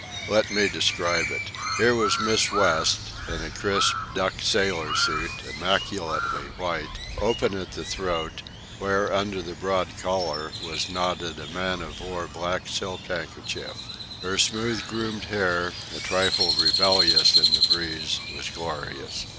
Let me describe it. Here was Miss West, in a crisp duck sailor suit, immaculately white, open at the throat, where, under the broad collar, was knotted a man of war black silk neckerchief. Her smooth groomed hair, a trifle rebellious in the breeze, was glorious.